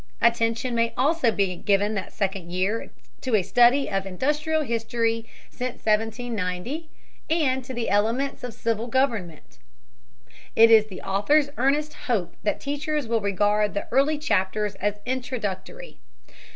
Attention may also be given the second year to a study of industrial history since 1790 and to the elements of civil government. It is the author's earnest hope that teachers will regard the early chapters as introductory.